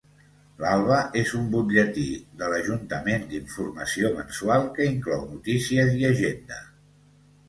L'alba és un butlletí de l'Ajuntament d'informació mensual que inclou notícies i agenda.